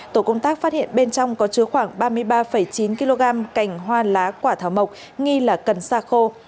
tổ công tác phát hiện bên trong có chứa khoảng ba mươi ba chín kg cành hoa lá quả thảo mộc nghi là cần sa khô